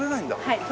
はい。